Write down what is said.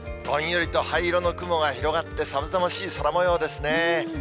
どんよりと灰色の雲が広がって寒々しい空もようですね。